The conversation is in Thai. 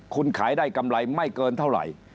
คุณขายได้กำไรไม่เกินเท่าไหร่